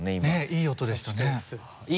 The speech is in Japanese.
いい音でしたか？